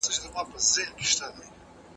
پر مځکي باندي د پاڼو یو لوی انبار پروت دی.